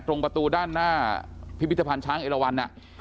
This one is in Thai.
ตรงประตูด้านหน้าพิพิธภัณฑ์ช้างเอราวัน